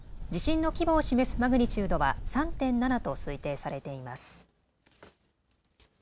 地震の規模を示すマグニチュードは３．７と推定されています。